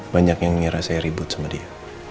banyak yang ngerasa ribet sama dia